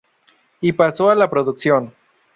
Y pasó a la producción.